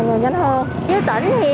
nên là lên thành phố để được tiêm